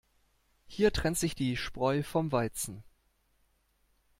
Hier trennt sich die Spreu vom Weizen.